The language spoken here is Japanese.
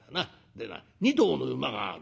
でな２頭の馬がある。